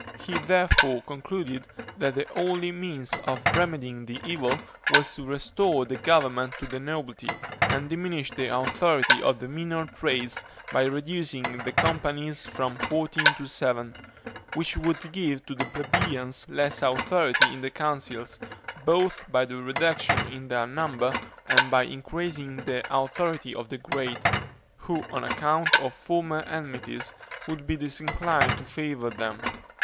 He therefore concluded, that the only means of remedying the evil was to restore the government to the nobility, and diminish the authority of the minor trades by reducing the companies from fourteen to seven, which would give the plebeians less authority in the Councils, both by the reduction in their number and by increasing the authority of the great; who, on account of former enmities, would be disinclined to favor them.